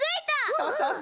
そうそうそう。